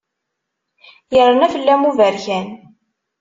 Yerna fell-am uberkan.